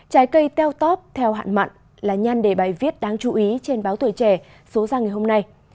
trái cây teo tóp theo hạn mặn là nhan đề bài viết đáng chú ý trên báo tuổi trẻ số ra ngày hôm nay